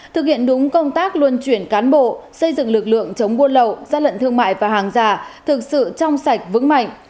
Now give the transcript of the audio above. thực hiện đúng công tác luân chuyển cán bộ xây dựng lực lượng chống buôn lậu gian lận thương mại và hàng giả thực sự trong sạch vững mạnh